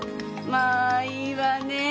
まあいいわねえ。